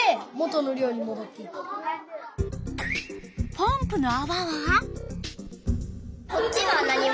ポンプのあわは？